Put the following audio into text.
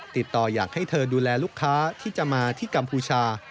ติดต่ออยากให้เธอดูแลลูกค้าที่จะมาที่กัมพูชา